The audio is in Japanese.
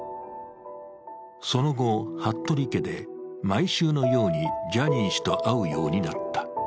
その後、服部家で毎週のようにジャニー氏と会うようになった。